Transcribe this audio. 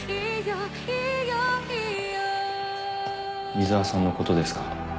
井沢さんのことですか？